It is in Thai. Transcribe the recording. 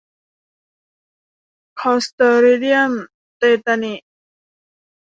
คลอสตริเดียมเตตานิ